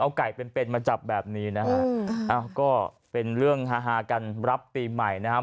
เอาไก่เป็นเป็นมาจับแบบนี้นะฮะก็เป็นเรื่องฮากันรับปีใหม่นะครับ